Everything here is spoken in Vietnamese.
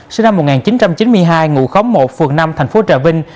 sinh năm một nghìn chín trăm chín mươi hai ngụ khóm một phường năm tp trà vinh